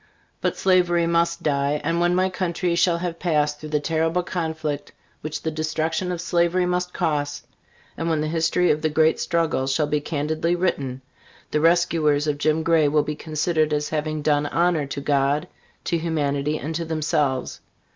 But slavery must die; and when my country shall have passed through the terrible conflict which the destruction of slavery must cost, and when the history of the great struggle shall be candidly written, the rescuers of Jim Gray will be considered as having done honor to God, to humanity, and to themselves.